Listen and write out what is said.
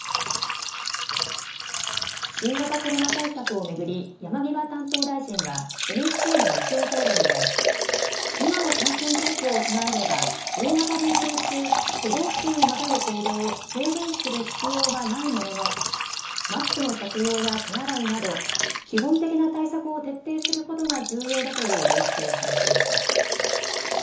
新型コロナ対策を巡り山際担当大臣はＮＨＫの日曜討論で今の感染状況を踏まえれば大型連休中、都道府県をまたぐ行動を制限する必要はないもののマスクの着用や手洗いなど基本的な対策を徹底することが重要だという認識を示しました。